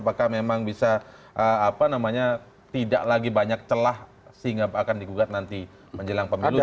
apakah memang bisa tidak lagi banyak celah sehingga akan digugat nanti menjelang pemilu